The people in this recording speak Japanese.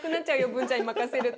ブンちゃんに任せると。